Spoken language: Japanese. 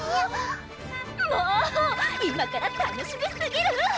もう今から楽しみすぎる！